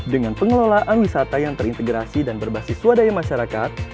dengan pengelolaan wisata yang terintegrasi dan berbasis swadaya masyarakat